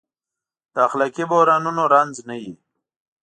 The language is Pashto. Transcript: د اخلاقي بحرانونو رنځ نه وي.